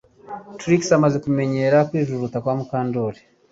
Trix amaze kumenyera kwijujuta kwa Mukandoli